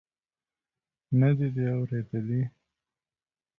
نه دې دي اورېدلي.